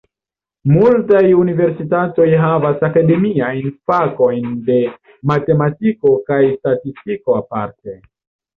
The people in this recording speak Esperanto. Multaj universitatoj havas akademiajn fakojn de matematiko kaj statistiko aparte.